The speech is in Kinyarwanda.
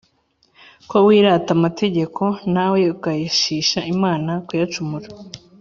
Ko wirata amategeko, nawe ugayishisha Imana kuyacumura?